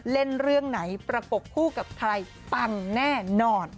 เล่นเรื่องไหนประกบคู่กับใครปังแน่นอน